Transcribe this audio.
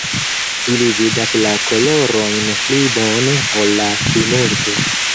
Ili vidas la kolorojn pli bone ol la plimulto.